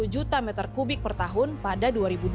dua ratus lima puluh juta meter kubik per tahun pada dua ribu dua